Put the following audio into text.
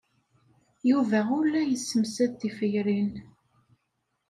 Yuba ur la yessemsad tiferyin.